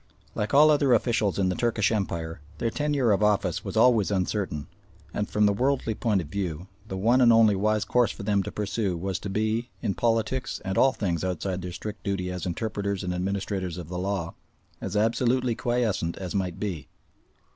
Like all other officials of the Turkish Empire, their tenure of office was always uncertain, and, from the worldly point of view, the one and only wise course for them to pursue was to be, in politics and all things outside their strict duty as interpreters and administrators of the law, as absolutely quiescent as might be.